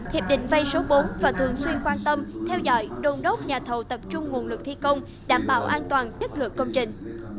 hiệp định vay số bốn và thường xuyên quan tâm theo dõi đồn đốc nhà thầu tập trung nguồn lực thi công đảm bảo an toàn chất lượng công trình